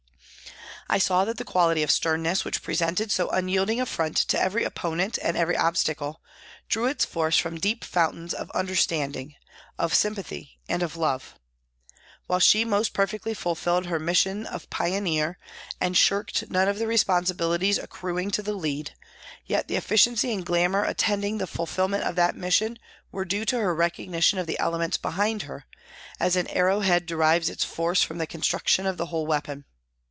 I saw that the quality of sternness, which presented so unyielding a front to every opponent and every obstacle, drew its force from deep fountains of under standing, of sympathy and of love. While she most perfectly fulfilled her mission of pioneer, and shirked none of the responsibilities accruing to the lead, yet the efficiency and glamour attending the fulfilment of that mission were due to her recognition of the elements behind her, as an arrow head derives its force from the construction of the whole weapon.